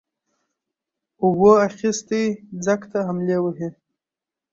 اوبو اخيستى ځگ ته املې وهي.